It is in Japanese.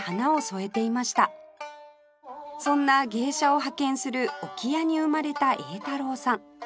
そんな芸者を派遣する置屋に生まれた栄太朗さん